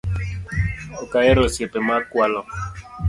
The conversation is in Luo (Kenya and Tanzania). Ok ahero osiepe ma kwalo